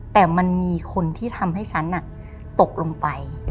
แต่มันมีคนที่ทำให้ฉันตกลงไป